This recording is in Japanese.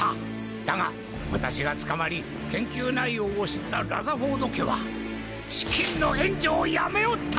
だが私が捕まり研究内容を知ったラザフォード家は資金の援助をやめおった！